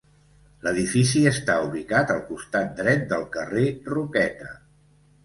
L'edifici està ubicat al costat dret del carrer Roqueta.